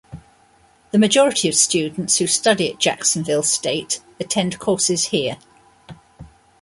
The majority of students who study at Jacksonville State attend courses here.